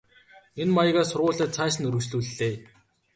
Энэ маягаар сургуулиа цааш нь үргэлжлүүллээ.